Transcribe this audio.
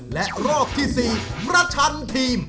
และรอบที่๔ประชันทีม